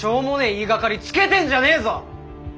言いがかりつけてんじゃねえぞ！